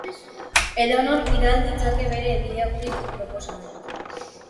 Edonork bidal ditzake bere bideoklip proposamenak.